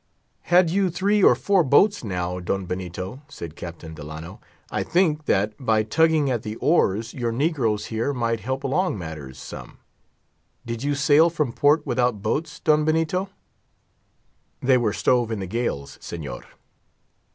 "Had you three or four boats now, Don Benito," said Captain Delano, "I think that, by tugging at the oars, your negroes here might help along matters some. Did you sail from port without boats, Don Benito?" "They were stove in the gales, Señor."